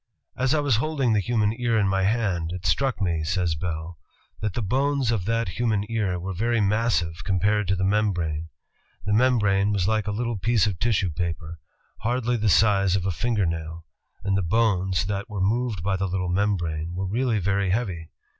"As I was holding the human ear in my hand, it struck me," says Bell, "that the bones of that human ear were very massive compared to the membrane. The membrane was like a little piece of tissue paper, hardly the size of a finger nail, and the bones that were moved by the little membrane were really very heavy.